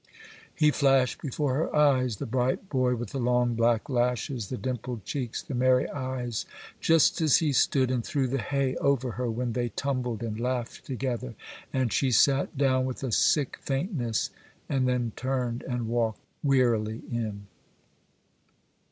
He flashed before her eyes, the bright boy with the long black lashes, the dimpled cheeks, the merry eyes, just as he stood and threw the hay over her when they tumbled and laughed together,—and she sat down with a sick faintness, and then turned and walked wearily in.